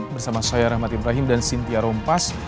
bersama saya rahmat ibrahim dan sintia rompas